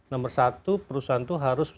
nomor satu perusahaan itu harus